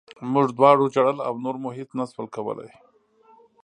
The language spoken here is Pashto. موږ دواړو ژړل او نور مو هېڅ نه شول کولی